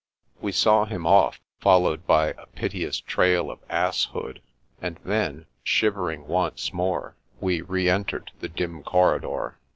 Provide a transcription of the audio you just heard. We saw him off, followed by a piteous trail of asshood, and then, shivering once more, we re entered the dim corridor.